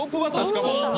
しかも。